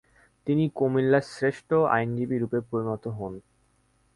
তিনি কুমিল্লার শ্রেষ্ঠ আইনজীবীরূপে পরিনত হন।